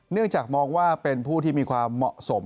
เนื่องจากมองว่าเป็นผู้ที่มีความเหมาะสม